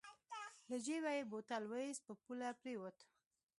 له جېبه يې بوتل واېست په پوله پرېوت.